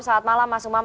selamat malam mas umam